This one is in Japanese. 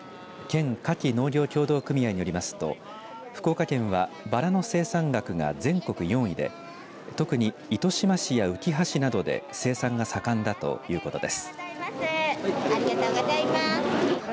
県花卉農業協同組合によりますと福岡県はばらの生産額が全国４位で特に糸島市やうきは市などで生産が盛んだということです。